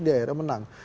dia akhirnya menang